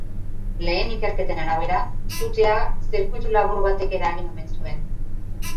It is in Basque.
Lehen ikerketen arabera, sutea zirkuitulabur batek eragin omen zuen.